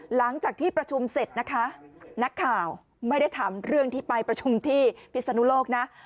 หลังจากที่ประชุมเสร็จนะคะนักข่าวไม่ได้ถามเรื่องที่ไปประชุมที่พิศนุโลกนะ